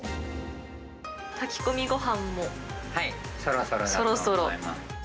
炊き込みごはんもそろそろ。